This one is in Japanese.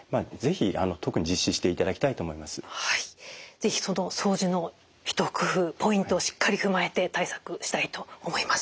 是非その掃除の一工夫ポイントをしっかり踏まえて対策したいと思います。